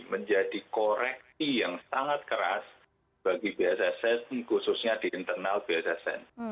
menjadi koreksi yang sangat keras bagi bssn khususnya di internal bssn